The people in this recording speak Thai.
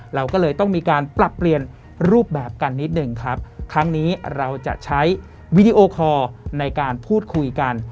เราก็เลยต้องมีการปรับเปลี่ยนรูปแบบกันนิดหนึ่งครับครั้งนี้เราจะใช้วีดีโอคอร์ในการพูดคุยกัน